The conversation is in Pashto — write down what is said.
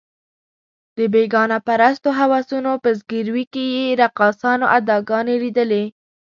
د بېګانه پرستو هوسونو په ځګیروي کې یې رقاصانو اداګانې لیدلې.